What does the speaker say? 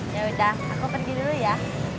yaudah aku pergi dulu ya